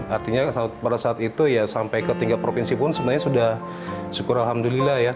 artinya pada saat itu ya sampai ke tingkat provinsi pun sebenarnya sudah syukur alhamdulillah ya